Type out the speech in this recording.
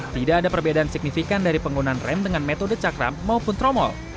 tidak ada perbedaan signifikan dari penggunaan rem dengan metode cakram maupun tromol